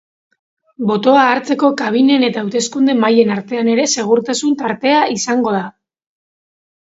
Botoa hartzeko kabinen eta hauteskunde mahaien artean ere segurtasun tartea izango da.